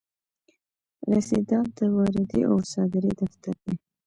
رسیدات د واردې او صادرې دفتر دی.